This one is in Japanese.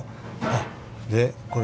でこれが。